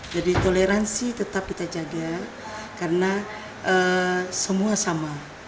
jadi toleransi tetap kita jaga karena semua sama